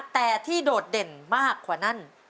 แต่ที่โดดเด่นมากกว่านั้น